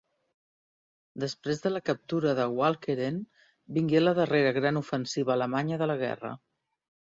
Després de la captura de Walcheren vingué la darrera gran ofensiva alemanya de la guerra.